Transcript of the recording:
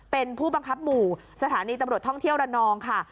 เป็นผู้บังคับหมู่สถานีตำรวจท่องเที่ยวระนองค่ะ